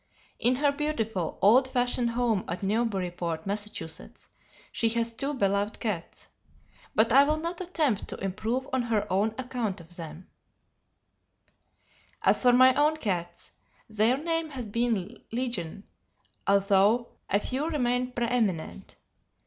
In her beautiful, old fashioned home at Newburyport, Mass., she has two beloved cats. But I will not attempt to improve on her own account of them: "As for my own cats, their name has been legion, although a few remain preeminent.